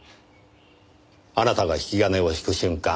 あなたが引き金を引く瞬間